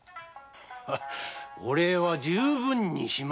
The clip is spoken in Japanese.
お礼は十分にしますよ。